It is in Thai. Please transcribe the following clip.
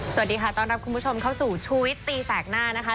สวัสดีค่ะต้อนรับคุณผู้ชมเข้าสู่ชูวิตตีแสกหน้านะคะ